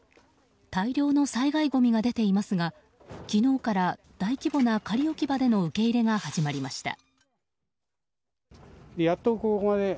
大量の災害ごみが出ていますが昨日から大規模な仮置き場での受け入れが始まりました。